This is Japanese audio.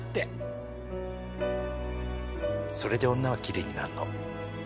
それで女はきれいになるの。